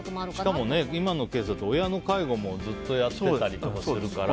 しかも今のケースだと親の介護もずっとやってたりとかもするから。